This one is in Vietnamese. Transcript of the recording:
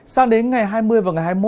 sang đến ngày hai mươi và ngày hai mươi một